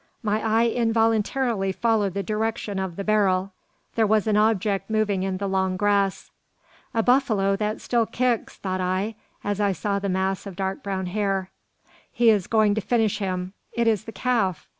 My eye involuntarily followed the direction of the barrel. There was an object moving in the long grass. "A buffalo that still kicks," thought I, as I saw the mass of dark brown hair; "he is going to finish him; it is the calf!"